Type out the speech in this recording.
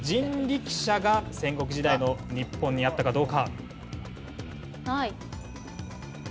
機械時計が戦国時代の日本にあったかどうか？